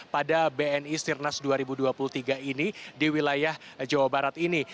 pada bni sirnas dua ribu dua puluh tiga ini di wilayah jawa barat ini